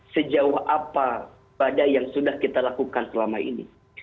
sejauh apa badai yang sudah kita lakukan selama ini